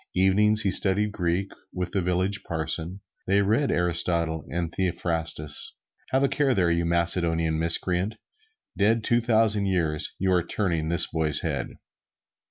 Evenings he studied Greek with the village parson. They read Aristotle and Theophrastus. Have a care there, you Macedonian miscreant, dead two thousand years, you are turning this boy's head!